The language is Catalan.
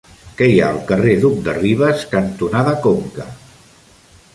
Què hi ha al carrer Duc de Rivas cantonada Conca?